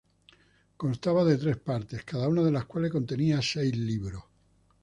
Constaba de tres partes, cada una de las cuales contenía seis libros.